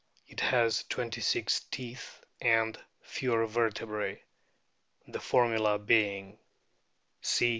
It has twenty six teeth and fewer vertebrae, the formula being : C.